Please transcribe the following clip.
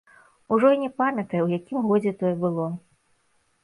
Ужо і не памятаю, у якім годзе тое было.